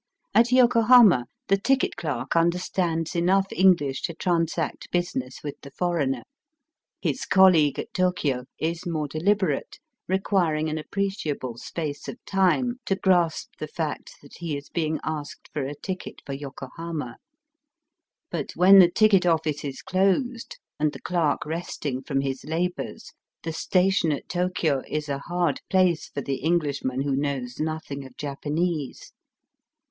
At Yokohama the ticket clerk understands enough English to transact business with the foreigner. His colleague at Tokio is more deliberate, requiring an appre ciable space of time to grasp the fact that he is being asked for a ticket for Yokohama. But when the ticket oflBce is closed and the clerk resting from his labours, the station at Tokio is a hard place for the Englishman who knows nothing of Japanese.